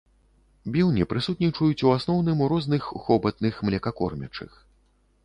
Біўні прысутнічаюць у асноўным у розных хобатных млекакормячых.